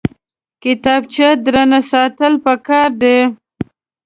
کتابچه درنه ساتل پکار دي